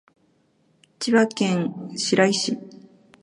千葉県白井市